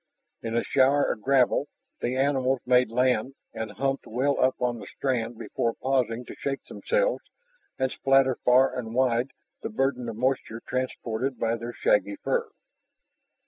In a shower of gravel the animals made land and humped well up on the strand before pausing to shake themselves and splatter far and wide the burden of moisture transported by their shaggy fur.